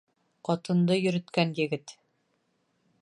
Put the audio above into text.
Ҡатынды йөрөткән егет.